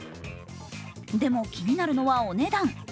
でも、気になるのはお値段。